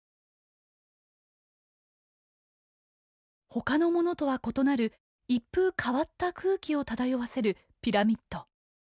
他のものとは異なる一風変わった空気を漂わせるピラミッド。